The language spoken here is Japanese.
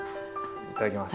いただきます。